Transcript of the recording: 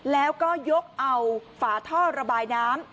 แล้วก็ยกเอาฝาท่อระบายน้ำ